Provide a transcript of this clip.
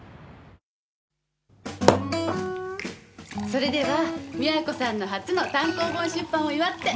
それでは美和子さんの初の単行本出版を祝って。